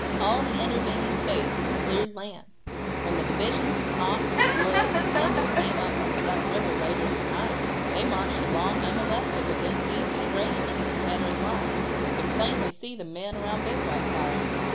All the intervening space was cleared land. When the divisions of Cox, Wood and Kimball came up from Duck river later in the night, they marched along unmolested within that easy range of the Confederate line, and could plainly see the men around the bivouac fires.